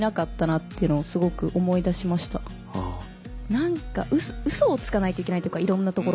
何かうそをつかないといけないというかいろんなところで。